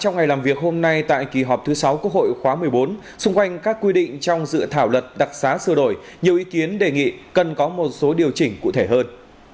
ngay tại kỳ họp thứ sáu quốc hội khóa một mươi bốn xung quanh các quy định trong dự thảo luật đặc xá sửa đổi nhiều ý kiến đề nghị cần có một số điều chỉnh cụ thể hơn